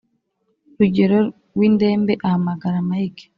rugero windembe ahamagara mike